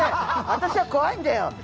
私は怖いんだよ